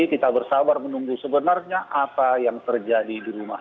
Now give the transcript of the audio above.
kita bersabar menunggu sebenarnya apa yang terjadi di rumah